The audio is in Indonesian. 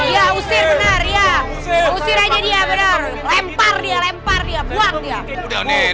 ya usir usir aja dia lempar dia lempar dia buang ya